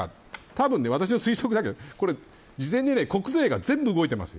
たぶん私の推測だけど事前に国税が全部、動いてます。